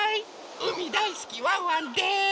うみだいすきワンワンです！